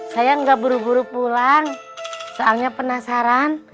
saya nggak buru buru pulang soalnya penasaran